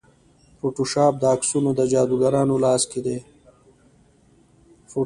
فوټوشاپ د عکسونو د جادوګرانو لاس دی.